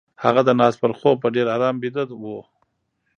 هغه د ناز پر خوب په ډېر آرام ويده وه.